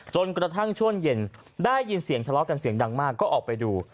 จนกระทั่งช่วงเย็นได้ยินเสียงทะเลาะกันเสียงดังมากก็ออกไปดู